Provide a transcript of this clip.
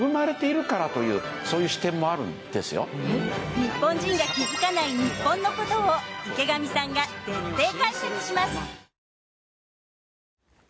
日本人が気付かない日本のことを池上さんが徹底解説します。